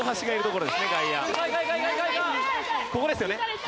ここですね。